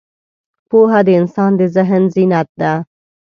پوهه د انسان د ذهن زینت ده.